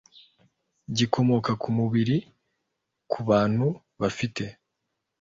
gikomoka ku mubiri ku bantu bafite